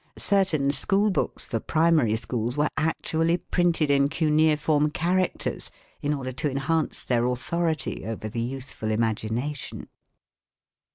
Certain school books for primary schools were actually printed in cuneiform characters in order to enhance their authority over the youthful imagination.